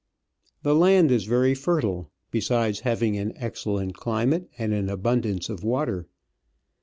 The land is very fertile, besides having ah excellent climate and an abundance of water.